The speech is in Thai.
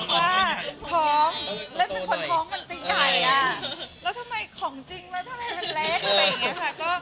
ว่าท้องแล้วเป็นคนท้องมันจะใหญ่แล้วทำไมของจริงแล้วทำไมมันเล็ก